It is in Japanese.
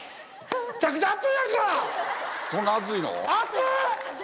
そんな熱いの？